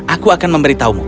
aku akan memberitahumu